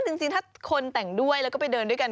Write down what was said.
แต่จริงถ้าคนแต่งด้วยแล้วก็ไปเดินด้วยกัน